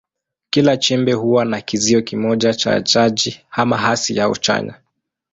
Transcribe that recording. Kila chembe huwa na kizio kimoja cha chaji, ama hasi au chanya.